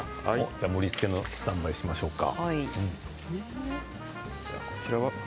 盛りつけのスタンバイをしましょうか。